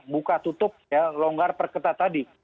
buka tutup ya longgar perketat tadi